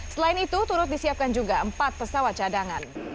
selain itu turut disiapkan juga empat pesawat cadangan